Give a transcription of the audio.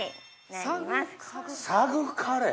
サグカレー。